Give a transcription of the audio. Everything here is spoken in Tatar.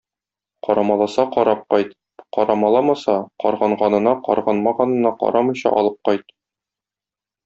Карамаласа карап кайт, карамаламаса карганганына, карганмаганына карамыйча алып кайт.